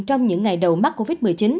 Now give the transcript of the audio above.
trong những ngày đầu mắc covid một mươi chín